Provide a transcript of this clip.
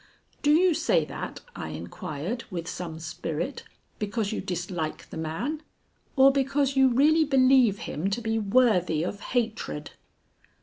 "Do you say that," I inquired, with some spirit, "because you dislike the man, or because you really believe him to be worthy of hatred?"